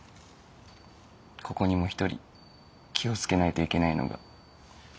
ここにも一人気を付けないといけないのが。